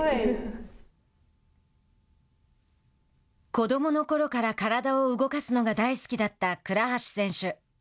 子どものころから体を動かすのが大好きだった倉橋選手。